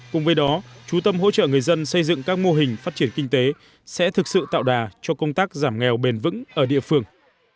cùng với đó chú tâm hỗ trợ người dân xây dựng các mô hình phát triển kinh tế sẽ thực sự tạo đà cho công tác giảm nghèo bền vững ở địa phương